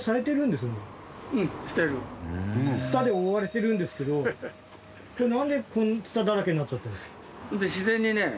ツタで覆われてるんですけどこれなんでツタだらけになっちゃったんですか？